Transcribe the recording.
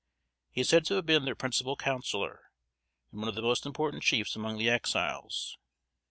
He is said to have been their principal counselor, and one of the most important chiefs among the Exiles.